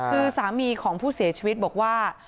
คือสามีของผู้เสียชีวิตบอกว่า